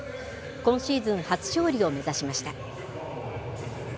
今シーズン、初勝利を目指しました。